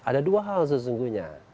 ada dua hal sesungguhnya